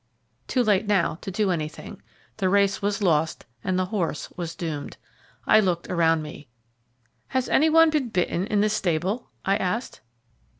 Too late now to do anything the race was lost and the horse was doomed. I looked around me. "Has any one been bitten in this stable?" I asked.